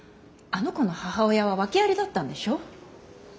あの子の母親は訳ありだったんでしょ。